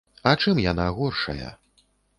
А чым яна горшая?